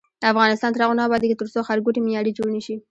افغانستان تر هغو نه ابادیږي، ترڅو ښارګوټي معیاري جوړ نشي.